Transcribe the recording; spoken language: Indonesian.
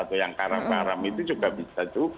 satu yang karam karam itu juga bisa juga